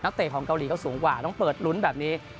เตะของเกาหลีก็สูงกว่าต้องเปิดลุ้นแบบนี้